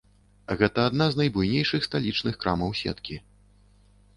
Гэта адна з найбуйнейшых сталічных крамаў сеткі.